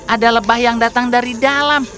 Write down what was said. ada lebah yang datang dari dalam